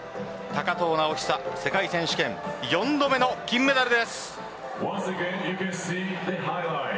高藤直寿、世界選手権４度目の金メダルです。